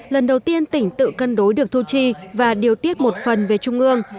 lần đầu tiên tỉnh tự cân đối được thu chi và điều tiết một phần về trung ương